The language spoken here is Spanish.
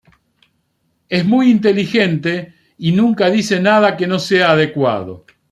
Es muy inteligente y nunca dice nada que no sea adecuado.